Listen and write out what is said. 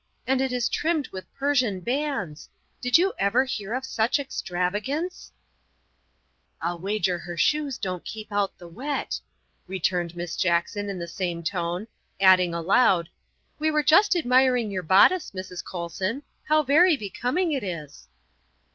And it is trimmed with Persian bands. Did you ever hear of such extravagance ?''" I'll wager her shoes don't keep out the wet," re turned Miss Jackson in the same tone, adding aloud, '' we were just admiring your bodice, Mrs. Colson. How very becoming it is."